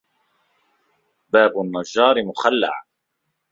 باب النجار مخَلَّع